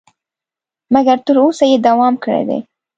مګر تر اوسه یې دوام کړی دی.